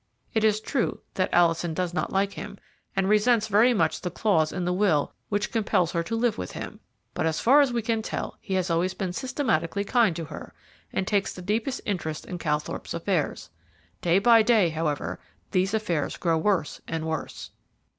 It is true that Alison does not like him, and resents very much the clause in the will which compels her to live with him; but as far as we can tell, he has always been systematically kind to her, and takes the deepest interest in Calthorpe's affairs. Day by day, however, these affairs grow worse and worse.